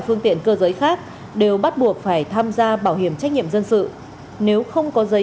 phương tiện cơ giới khác đều bắt buộc phải tham gia bảo hiểm trách nhiệm dân sự nếu không có giấy